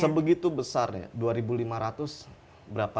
sebegitu besarnya dua lima ratus berapa